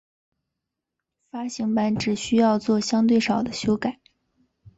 发行版只需要作相对少的修改。